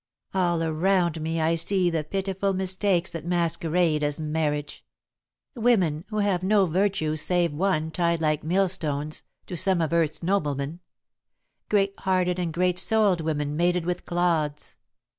"All around me I see the pitiful mistakes that masquerade as marriage women who have no virtues save one tied like millstones to some of earth's noblemen; great hearted and great souled women mated with clods.